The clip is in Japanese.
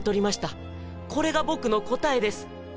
これが僕の答えです。